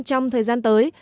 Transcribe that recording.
trong thời gian tới